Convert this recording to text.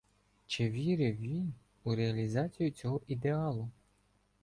Чи вірив він у реалізацію цього ідеалу?